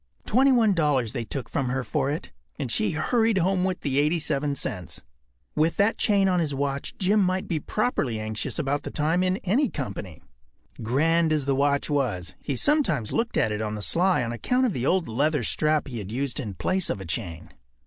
Twenty one dollars they took from her for it, and she hurried home with the 87 cents. With that chain on his watch Jim might be properly anxious about the time in any company. Grand as the watch was, he sometimes looked at it on the sly on account of the old leather strap that he used in place of a chain.